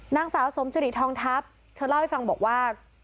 นางสาวสมสิริทองทัพเธอเล่าให้ฟังบอกว่า